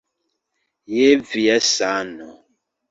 Je via sano